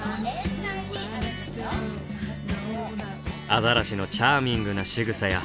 アザラシのチャーミングなしぐさや。